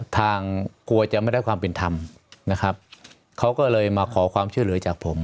กลัวจะไม่ได้ความเป็นธรรมนะครับเขาก็เลยมาขอความช่วยเหลือจากผม